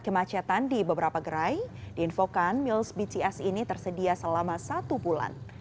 kemacetan di beberapa gerai diinfokan mills bts ini tersedia selama satu bulan